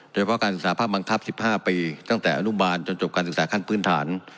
โดยเฉพาะการศึกษาภาพบังคับ๑๕ปีตั้งแต่อนุบาลจนจบการศึกษาขั้นพื้นฐาน